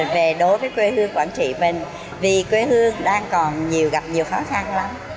về đối với quê hương quảng trị mình vì quê hương đang còn gặp nhiều khó khăn lắm